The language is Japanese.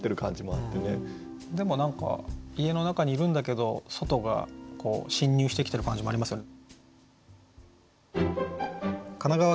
でも何か家の中にいるんだけど外が侵入してきてる感じもありますよね。